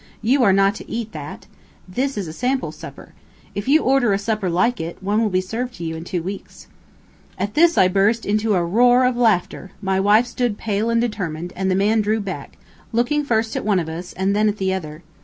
"You are not to eat that. This is a sample supper. If you order a supper like it, one will be served to you in two weeks." At this I burst into a roar of laughter; my wife stood pale and determined, and the man drew back, looking first at one of us, and then at the other.